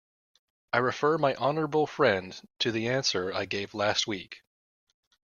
I refer my honourable friend to the answer I gave last week.